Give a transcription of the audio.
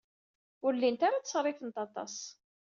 Ur llint ara ttṣerrifent aṭas.